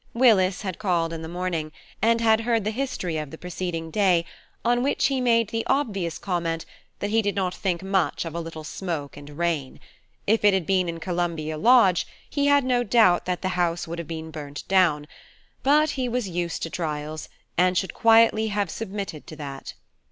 Willis had called in the morning, and had heard the history of the preceding day, on which he made the obvious comment, that he did not think much of a little smoke and rain. If it had been in Columbia Lodge, he had no doubt that the house would have been burnt down, but he was used to trials, and should quietly have submitted to that.